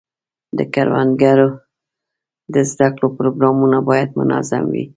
د کروندګرو د زده کړو پروګرامونه باید منظم وي.